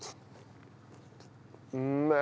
うめえ。